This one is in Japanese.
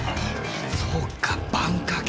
そうか「バンカケ」！